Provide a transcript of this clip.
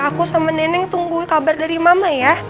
aku sama nenek tunggu kabar dari mama ya